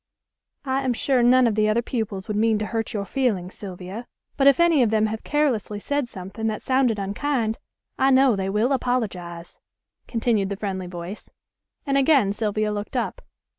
"I am sure none of the other pupils would mean to hurt your feelings, Sylvia. But if any of them have carelessly said something that sounded unkind, I know they will apologize," continued the friendly voice; and again Sylvia looked up.